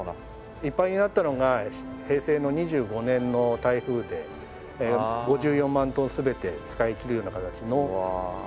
いっぱいになったのが平成の２５年の台風で５４万トン全て使い切るような形の貯水量がありました。